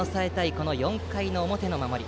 この４回の表の守り。